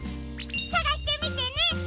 さがしてみてね！